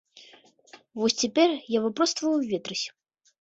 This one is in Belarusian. Вось цяпер я выпростваю ветразь.